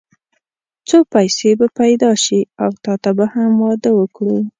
څو پيسې به پيدا شي او تاته به هم واده وکړو.